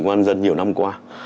công an nhân dân nhiều năm qua